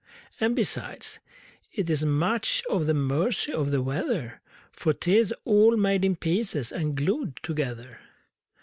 And, besides, it is much at the mercy of the weather For 'tis all made in pieces and glued together!